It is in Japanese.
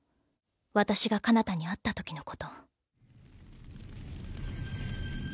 私がかなたに会った時の事。